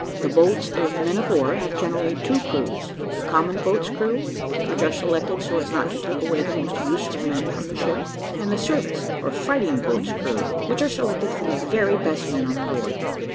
The boats of men of war have generally two crews; the common boats' crew, which are selected so as not to take away the most useful men from the ship; and the service, or fighting boats' crew, which are selected from the very best men on board.